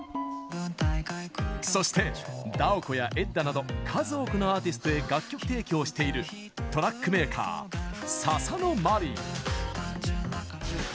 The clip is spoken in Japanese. そしてＤＡＯＫＯやｅｄｄａなど数多くのアーティストへ楽曲提供をしているトラックメーカー・ササノマリイ。